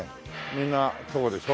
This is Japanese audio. みんなそうでしょ？